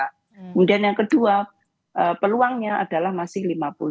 kemudian yang kedua peluangnya adalah masih lima puluh